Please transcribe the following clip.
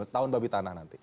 tahun babi tanah nanti